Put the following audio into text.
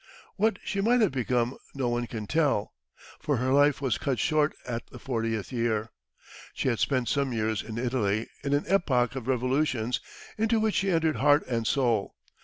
What she might have become no one can tell, for her life was cut short at the fortieth year. She had spent some years in Italy, in an epoch of revolutions, into which she entered heart and soul.